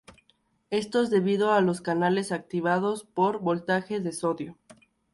Esto es debido a los canales activados por voltaje de sodio.